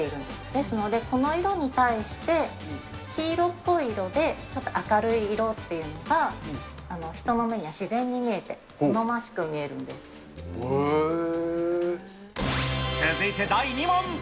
ですので、この色に対して黄色っぽい色で、ちょっと明るい色っていうのが人の目には自然に見えて、続いて第２問。